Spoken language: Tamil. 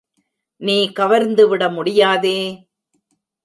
நீ கவர்ந்து விட முடியாதே?